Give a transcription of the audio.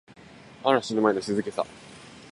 嵐の前の静けさ